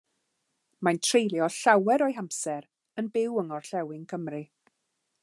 Mae'n treulio llawer o'i hamser yn byw yng Ngorllewin Cymru.